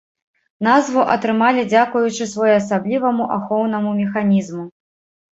Назву атрымалі дзякуючы своеасабліваму ахоўнаму механізму.